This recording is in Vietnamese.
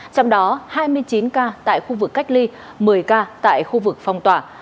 trong đó hai mươi chín ca tại khu vực cách ly một mươi ca tại khu vực phòng